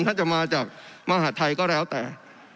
ท่านจะมาจากมหาดไทยก็แล้วแต่